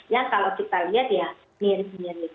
yang kalau kita lihat ya mirip mirip